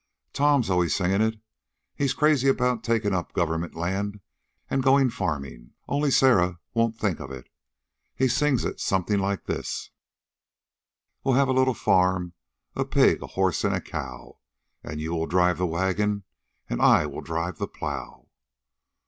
Tom's always singing it. He's crazy about taking up government land and going farming, only Sarah won't think of it. He sings it something like this: "We'll have a little farm, A pig, a horse, a cow, And you will drive the wagon, And I will drive the plow."